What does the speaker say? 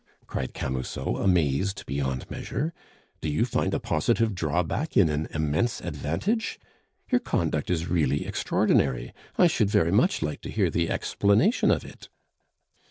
cried Camusot, amazed beyond measure. "Do you find a positive drawback in an immense advantage? Your conduct is really extraordinary; I should very much like to hear the explanation of it."